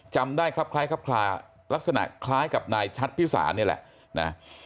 จำได้ครับคล้ายครับคลาลักษณะคล้ายกับนายชัดพิสารนี่แหละนะ